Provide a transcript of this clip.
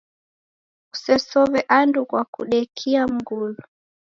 Kusesow'e andu kwa kudekia mgulu.